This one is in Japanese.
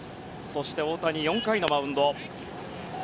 そして大谷は４回のマウンド。